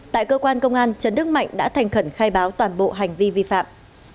tại cơ quan công an trần đức mạnh đã thành khẩn khai báo toàn bộ hành vi vi phạm